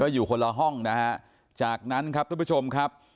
อยู่คนละห้องนะฮะจากนั้นครับทุกผู้ชมครับ